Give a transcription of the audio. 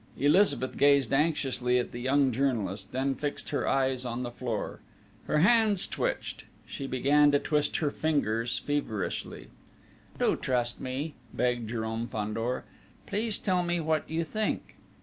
Elizabeth gazed anxiously at the young journalist, then fixed her eyes on the floor. Her hands twitched; she began to twist her fingers feverishly: "Do trust me!" begged Jérôme Fandor. "Please tell me what you think!"